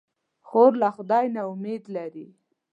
خور له خدای نه امید لري.